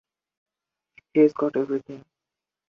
He's got everything.